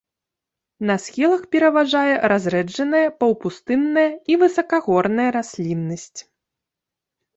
На схілах пераважае разрэджаная паўпустынная і высакагорная расліннасць.